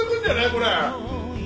これ。